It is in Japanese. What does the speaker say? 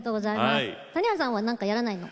谷原さんは何かやらないの？